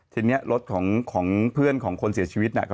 ทีนี้รถของเพื่อนของคนเสียชีวิต